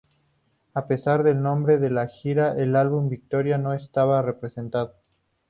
A pesar del nombre de la gira, el álbum "Victory" no estaba representado.